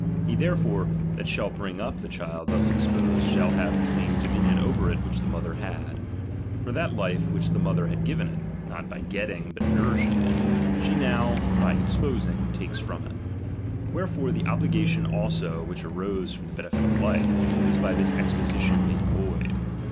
He therefore that shall bring up the child thus exposed, shall have the same dominion over it which the mother had. For that life which the mother had given it, {not hy getting but nourishing it), she now by exposing takes from it. Wherefore the obliga tion also which arose from the benefit of life, is by this exposition made void.